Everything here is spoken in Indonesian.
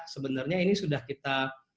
sebenarnya ini sudah kita